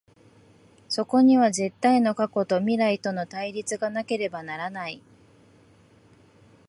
そこには絶対の過去と未来との対立がなければならない。